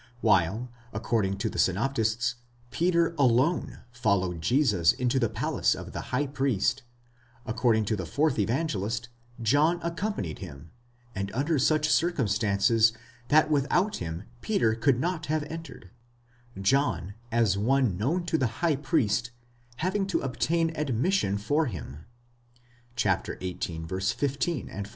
While, according to the synoptists, Peter alone followed Jesus into the palace of the high priest; according to the fourth Evangelist, John accompanied him, and under such circumstances, that without him Peter could not have entered,—John, as one known to the high priest, having to obtain admission for him (xviii. 15 f.).